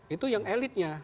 itu yang elitnya